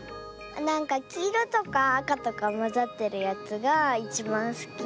なんかきいろとかあかとかまざってるやつがいちばんすき。